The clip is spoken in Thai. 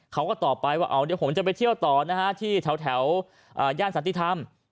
เขาก็ตอบไปว่าเดี๋ยวผมจะไปเที่ยวต่อนะฮะที่แถวย่านสันติธรรม